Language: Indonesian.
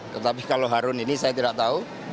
tetapi kalau harun ini saya tidak tahu